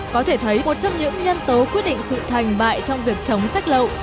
có thể thấy một trong những nhân tố quyết định sự thành bại trong việc chống sách lậu